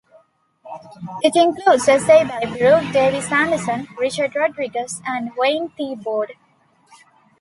It includes essays by Brooke Davis Anderson, Richard Rodriguez, and Wayne Thiebaud.